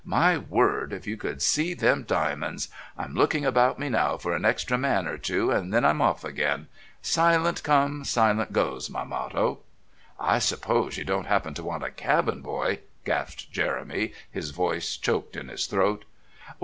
My word, if you could see them diamonds. I'm looking about me now for an extra man or two, and then I'm off again silent come, silent go's my motto " "I suppose you don't happen to want a cabin boy?" gasped Jeremy, his voice choked in his throat.